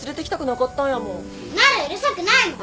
なるうるさくないもん！